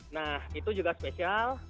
nah itu juga spesial